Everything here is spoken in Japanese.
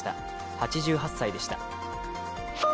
８８歳でした。